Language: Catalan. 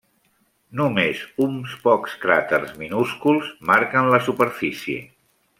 Només uns pocs cràters minúsculs marquen la superfície.